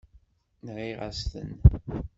Nɣiɣ-as-ten.